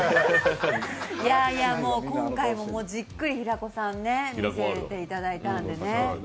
いやいや今回もじっくり平子さん見せていただいたんで。